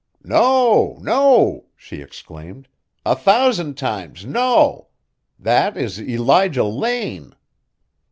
"No! no!" she exclaimed. "A thousand times no! That is Elijah Lane!"